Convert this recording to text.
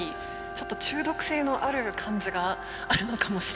ちょっと中毒性のある感じがあるのかもしれないです。